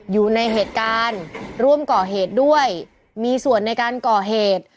อยู่ในเหตุการณ์ร่วมก่อเหตุด้วยมีส่วนในการก่อเหตุ